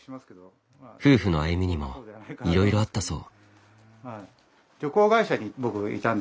夫婦の歩みにもいろいろあったそう。